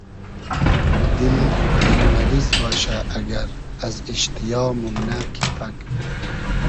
دیل مئریز باشۂ ائگئر از ایشتیا مومنۂ کی پئگ